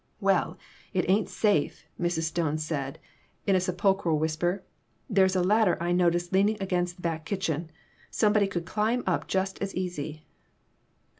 "Well, it ain't safe," Mrs. Stone said, in a sepulchral whisper. " There's a ladder I noticed leaning against the back kitchen. Somebody could climb up just as easy."